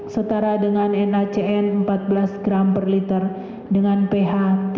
setara dengan nacn empat belas gram per liter dengan ph tiga